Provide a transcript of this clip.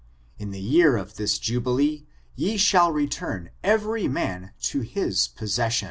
In the year of this jubilee, ye shall return every man to his posses sion."